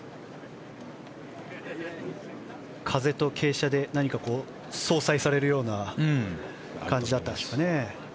風と傾斜で相殺されるような感じだったでしょうか。